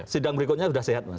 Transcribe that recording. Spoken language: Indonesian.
sidang berikutnya sudah sehat mas